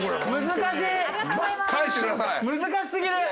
難しすぎる！